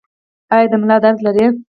ایا د ملا درد لرئ؟